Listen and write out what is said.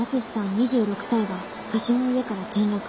２６歳が橋の上から転落。